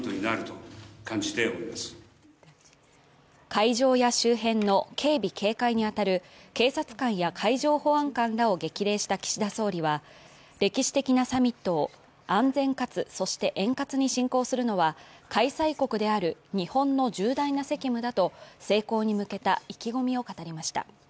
会場や周辺の警備・警戒に当たる警察官や海上保安官らを激励した岸田総理は、歴史的なサミットを安全かつそして円滑に進行するのは開催国である日本の重大な責務だと、成功に向けた意気込みを語りました。